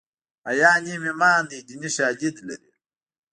حیا نیم ایمان دی دیني شالید لري